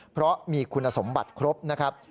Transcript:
เพราะมีคุณสมบัติครบนะครับ